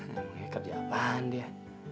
ngekep jalan dia